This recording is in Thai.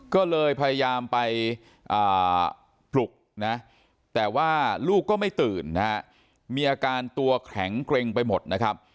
ก็เลยพยายามไปปลุกนะแต่ว่าลูกก็ไม่ตื่นนะฮะมีอาการตัวแข็งเกร็งไปหมดนะครับ